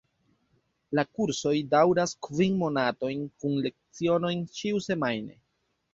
La kursoj daŭras kvin monatojn kun lecionoj ĉiusemajne.